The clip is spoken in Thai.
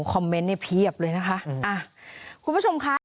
คุณผู้ชมค่ะ